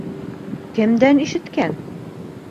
Кемдән ишеткән?